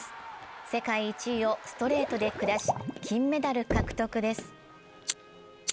世界１位をストレートで下し金メダル獲得です。